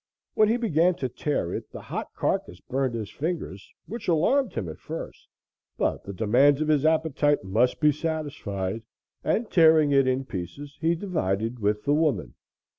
When he began to tear it the hot carcass burned his fingers, which alarmed him at first, but the demands of his appetite must be satisfied, and, tearing it in pieces, he divided with the woman.